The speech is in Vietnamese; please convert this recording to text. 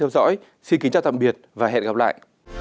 xin chào tạm biệt và hẹn gặp lại